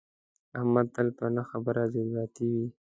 احمد تل په نه خبره جذباتي وي.